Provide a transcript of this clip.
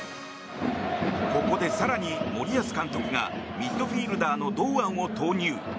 ここで、更に森保監督がミッドフィールダーの堂安を投入。